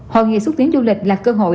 hội nghị xuất tiến du lịch là cơ hội